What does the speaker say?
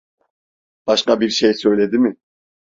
Başka bir şey söyledi mi?